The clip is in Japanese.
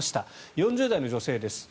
４０代の女性です。